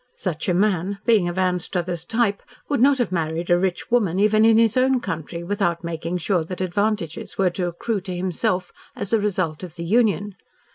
Such a man being of Anstruthers' type would not have married a rich woman even in his own country with out making sure that advantages were to accrue to himself as a result of the union.